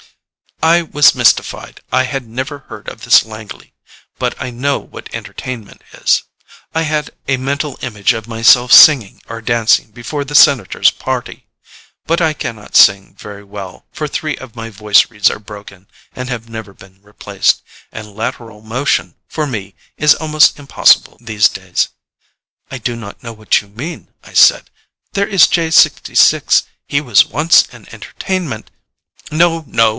I was mystified. I had never heard of this Langley, but I know what entertainment is. I had a mental image of myself singing or dancing before the Senator's party. But I can not sing very well, for three of my voice reeds are broken and have never been replaced, and lateral motion, for me, is almost impossible these days. "I do not know what you mean," I said. "There is J 66. He was once an Entertainment " "No, no!"